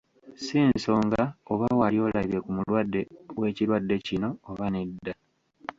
Si nsonga oba wali olabye ku mulwadde w’ekirwadde kino oba nedda.